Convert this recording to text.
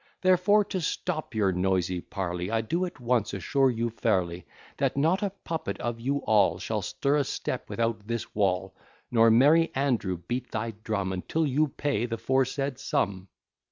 Therefore to stop your noisy parly, I do at once assure you fairly, That not a puppet of you all Shall stir a step without this wall, Nor merry Andrew beat thy drum, Until you pay the foresaid sum."